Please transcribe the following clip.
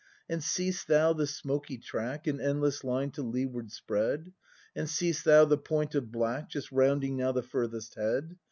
And seest thou the smoky track In endless line to leeward spread ? And seest thou the point of black Just rounding now the furthest head?